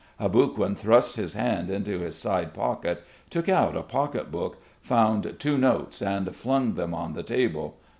Aboguin thrust his hand into his side pocket, took out a pocket book, found two notes and flung them on the table.